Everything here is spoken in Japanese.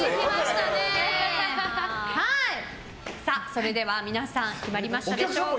それでは皆さん決まりましたでしょうか。